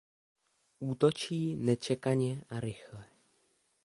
Útočí nečekaně a rychle.